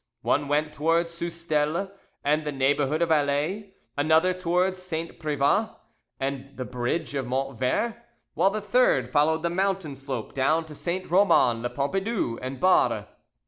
One went towards Soustele and the neighbourhood of Alais, another towards St. Privat and the bridge of Montvert, while the third followed the mountain slope down to St. Roman le Pompidou, and Barre.